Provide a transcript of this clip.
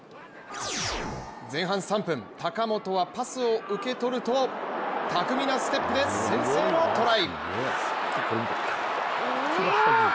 前半３分、高本はパスを受け取ると巧みなステップで先制のトライ！